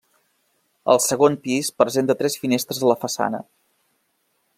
El segon pis presenta tres finestres a la façana.